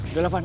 udah lah van